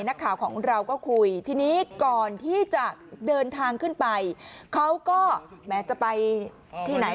นักข่าวของเราก็คุยทีนี้ก่อนที่จะเดินทางขึ้นไปเขาก็แม้จะไปที่ไหน